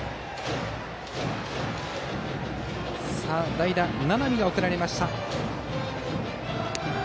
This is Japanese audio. さあ、代打・名波が送られました。